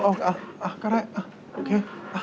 ก็ได้โอเค